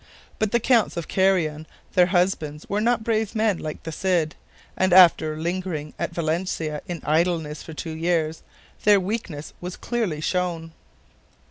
But the Counts of Carrion, their husbands, were not brave men like the Cid, and after lingering at Valencia in idleness for two years, their weakness was clearly shown.